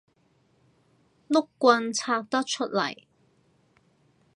碌棍拆得出嚟